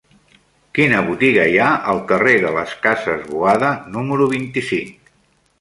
Quina botiga hi ha al carrer de les Cases Boada número vint-i-cinc?